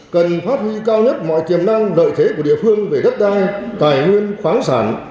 cần phát huy cao nhất mọi tiềm năng lợi thế của địa phương về đất đai tài nguyên khoáng sản